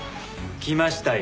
来ましたよ。